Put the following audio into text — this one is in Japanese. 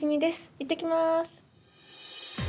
いってきます。